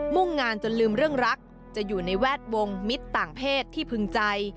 ่งงานจนลืมเรื่องรักจะอยู่ในแวดวงมิตรต่างเพศที่พึงใจ